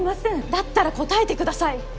だったら答えてください。